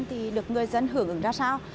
thì được người dân hưởng ứng ra sao